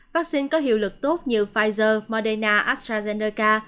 vaccine có hiệu lực tốt như pfizer moderna astrazeneca